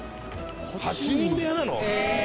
８人部屋なの？